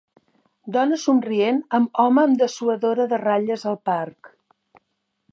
Dona somrient amb home amb dessuadora de ratlles al parc.